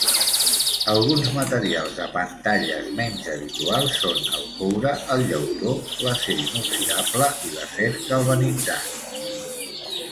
Alguns materials de pantalles menys habituals són el coure, el llautó, l'acer inoxidable i l'acer galvanitzat.